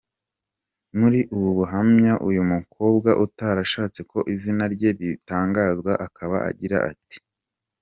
Muri ubu buhamya uyu mukobwa utarashatse ko izina rye ritangazwa akaba agira ati’’.